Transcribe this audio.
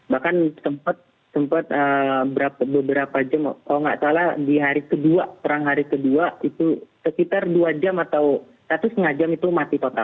bahkan sempat beberapa jam kalau nggak salah di hari kedua perang hari kedua itu sekitar dua jam atau satu setengah jam itu mati total